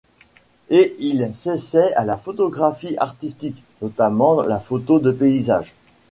Et il s'essaie à la photographie artistique, notamment la photo de paysage.